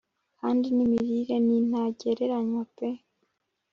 kandi n’imirire ni ntagereranywa pe!